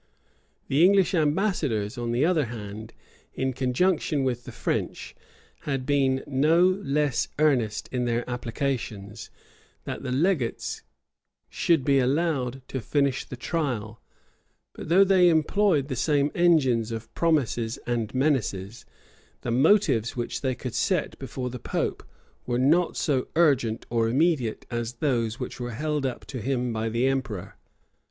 The English ambassadors, on the other hand, in conjunction with the French, had been no less earnest in their applications, that the legates should be allowed to finish the trial; but though they employed the same engines of promises and menaces, the motives which they could set before the pope were not so urgent or immediate as those which were held up to him by the emperor.